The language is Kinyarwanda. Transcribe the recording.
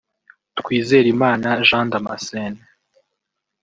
Twizerimana Jean Damascène